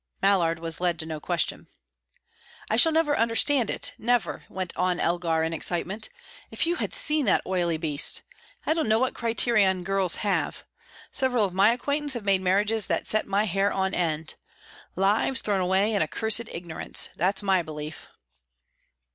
Mallard was led to no question. "I shall never understand it, never," went on Elgar, in excitement. "If you had seen that oily beast! I don't know what criterion girls have. Several of my acquaintance have made marriages that set my hair on end. Lives thrown away in accursed ignorance that's my belief."